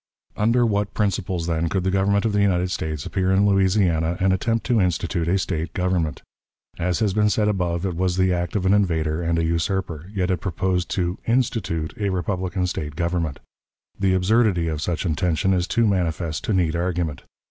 Under what principles, then, could the Government of the United States appear in Louisiana and attempt to institute a State government? As has been said above, it was the act of an invader and a usurper. Yet it proposed to "institute" a republican State government. The absurdity of such intention is too manifest to need argument.